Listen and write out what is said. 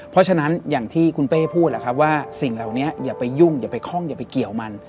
เพราะฉะนั้นอย่างที่คุณเป้พูดแหละครับว่าสิ่งเหล่านี้อย่าไปยุ่งอย่าไปคล่องอย่าไปเกี่ยวมัน